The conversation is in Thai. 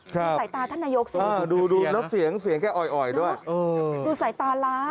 ครับดูสายตาท่านนายกสิดูสายตาล้าดูสายตาล้า